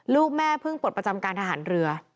ลูกแม่เพิ่งปลดประจำการทหารเรือ